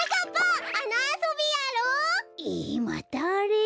またあれ？